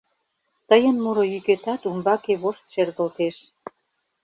Тыйын муро йӱкетат умбаке вошт шергылтеш.